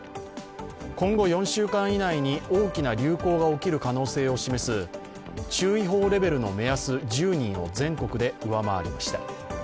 今後４週間以内に大きな流行が起きる可能性を示す注意報レベルの目安１０人を全国で上回りました。